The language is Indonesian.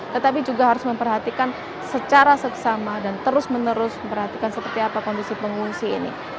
tetapi juga harus memperhatikan secara seksama dan terus menerus memperhatikan seperti apa kondisi pengungsi ini